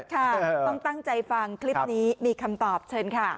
ค่ะต้องตั้งใจฟังคลิปนี้มีคำตอบเชิญค่ะ